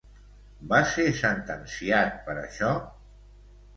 Va ser sentenciat per això?